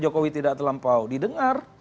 jokowi tidak terlampau didengar